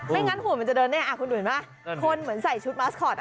งั้นหุ่นมันจะเดินแน่คุณดูเห็นไหมคนเหมือนใส่ชุดมัสคอต